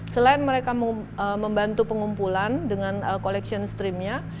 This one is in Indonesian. selain mereka membantu pengumpulan dengan collection streamnya